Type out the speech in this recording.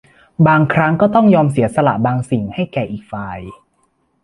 บางครั้งก็ต้องยอมเสียสละบางสิ่งให้แก่อีกฝ่าย